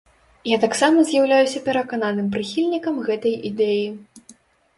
Я таксама з'яўляюся перакананым прыхільнікам гэтай ідэі.